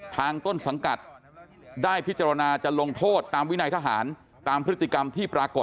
ต้นสังกัดได้พิจารณาจะลงโทษตามวินัยทหารตามพฤติกรรมที่ปรากฏ